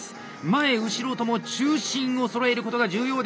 前・後ろとも中心をそろえることが重要であります。